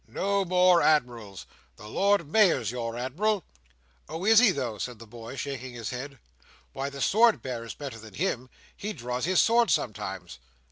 No more admirals. The Lord Mayor's your admiral." "Oh, is he though!" said the boy, shaking his head. "Why, the Sword Bearer's better than him. He draws his sword sometimes."